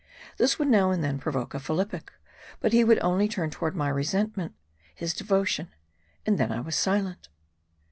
This would now and then provoke a phillipic ; but he would only turn toward my resentment his devotion ; and then I was silent.